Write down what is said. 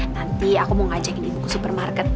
nanti aku mau ngajakin ibu ke supermarket